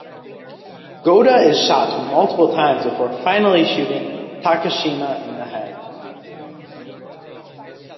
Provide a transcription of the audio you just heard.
Goda is shot multiple times before finally shooting Takashima in the head.